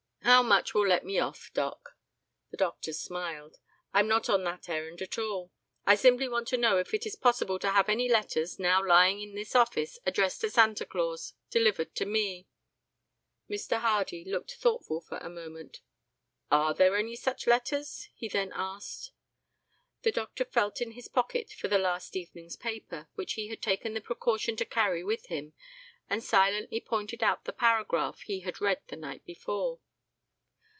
How much will let me off, doc?" The doctor smiled. "I'm not on that errand at all. I simply want to know if it is possible to have any letters, now lying in this office, addressed to Santa Claus, delivered to me?" Mr. Hardy looked thoughtful for a moment. "Are there any such letters?" he then asked. The doctor felt in his pocket for the last evening's paper, which he had taken the precaution to carry with him, and silently pointed out the paragraph he had read the night before.